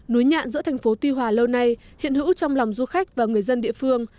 núi nhạn giữa thành phố tuy hòa lâu nay hiện hữu trong lòng du khách và người dân địa phương